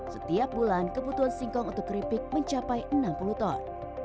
setiap bulan kebutuhan singkong untuk keripik mencapai enam puluh ton